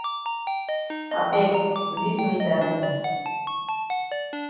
I beg leave me dat tin.